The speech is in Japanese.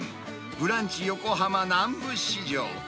ブランチ横浜南部市場。